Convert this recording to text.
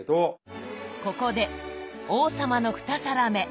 ここで王様の２皿目。